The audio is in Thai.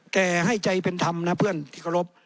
แต่ให้ใจเป็นธรรมนะเพื่อนที่เคารพ